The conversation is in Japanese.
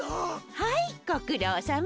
はいごくろうさま。